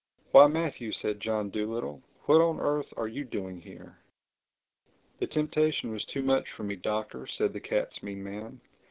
"Why Matthew!" said John Dolittle. "What on earth are you doing here?" "The temptation was too much for me, Doctor," said the cat's meat man.